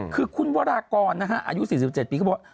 คือคุณวรากรนะฮะอายุ๔๗ปีเขาบอกว่า